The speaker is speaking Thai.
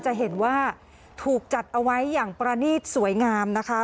จะเห็นว่าถูกจัดเอาไว้อย่างประนีตสวยงามนะคะ